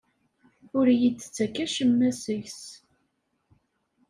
Ur iyi-d-ttakk acemma seg-s.